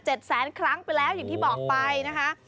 แสนครั้งไปแล้วอย่างที่บอกไปนะคะ